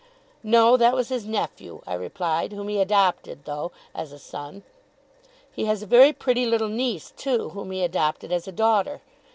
'No. That was his nephew,' I replied; 'whom he adopted, though, as a son. He has a very pretty little niece too, whom he adopted as a daughter.